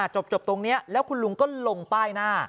จบตรงนี้แล้วคุณลุงก็ลงป้ายหน้า